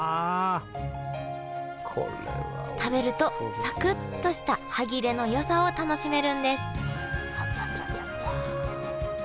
食べるとサクッとした歯切れのよさを楽しめるんですあちゃちゃちゃちゃ。